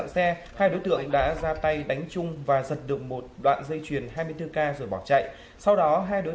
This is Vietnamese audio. xin chào và hẹn gặp lại